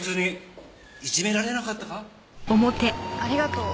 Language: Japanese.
ありがとう。